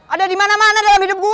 ada dimana mana dalam hidup gua